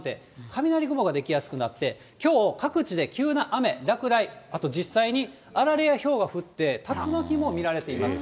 雷雲が出来やすくなって、きょう、各地で急な雨、落雷、あと実際にあられやひょうが降って、竜巻も見られています。